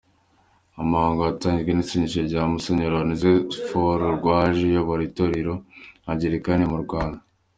Umuhango watangijwe n’isengesho rya Musenyeri Onesphore Rwaje uyobora itorero Angilikani mu Rwanda.